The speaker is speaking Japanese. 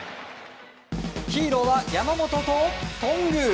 ヒーローは山本と頓宮。